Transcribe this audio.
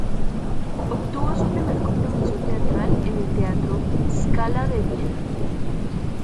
Obtuvo su primer compromiso teatral en el Teatro Scala de Viena.